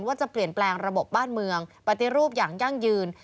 ว่าจะเปลี่ยนแปลงระบบบ้านเมืองปฏิรูปอย่างยั่งยืน